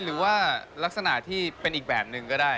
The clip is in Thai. หรือว่าลักษณะที่เป็นอีกแบบนึงก็ได้